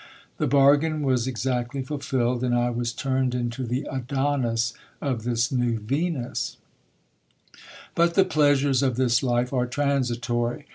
The bargain was exactly fulfilled, and I was turned into the Adonis of tliis new Venus. 98 GIL BLAS. But the pleasures of this life are transitory.